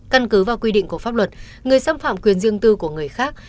căn cứ vào quy định của pháp luật người xâm phạm quyền riêng tư của người khác